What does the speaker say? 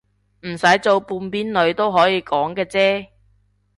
唔使做半邊女都可以講嘅啫